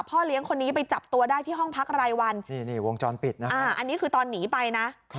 พ่อเลี้ยงคนนี้ไปจับตัวได้ที่ห้องพักรายวันอันนี้คือตอนหนีไปนะ